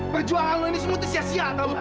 perjuangan lo ini semua tersia sia tau gak